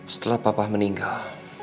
setelah papa meninggal